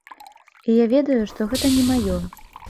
І я ведаю, што гэта не маё.